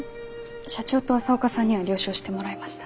社長と朝岡さんには了承してもらいました。